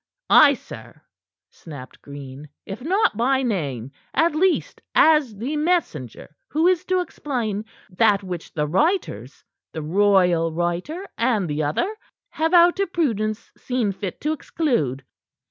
"Ay, sir," snapped Green, "if not by name, at least as the messenger who is to explain that which the writers the royal writer and the other have out of prudence seen fit to exclude."